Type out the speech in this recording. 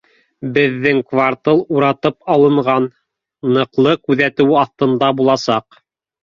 Беҙҙең квартал уратып алынған, ныҡлы күҙәтеү аҫтында буласаҡ